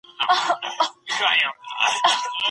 هر انسان ځانګړې اړتیا لري.